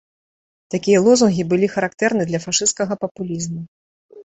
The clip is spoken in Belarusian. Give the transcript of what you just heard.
Такія лозунгі былі характэрны для фашысцкага папулізму.